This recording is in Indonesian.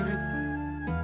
hanya dengan kekuasaanmu